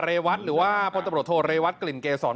เรวัตหรือว่าพลตำรวจโทเรวัตกลิ่นเกษร